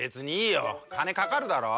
金かかるだろ？え！